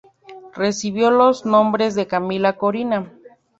Recibió los nombres de Camila Corina.